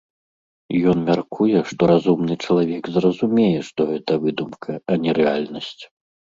Ён мяркуе, што разумны чалавек зразумее, што гэта выдумка, а не рэальнасць.